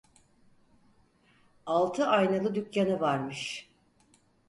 Altı aynalı dükkanı varmış.